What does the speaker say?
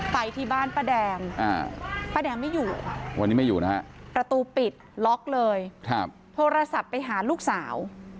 ไปที่บ้านป้าแดงป้าแดงไม่อยู่วันนี้ไม่อยู่นะฮะประตูปิดล็อกเลยโทรศัพท์ไปหาลูกสาว